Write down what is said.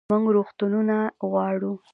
موږ روغتونونه غواړو